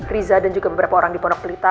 riza dan juga beberapa orang di pondok pelita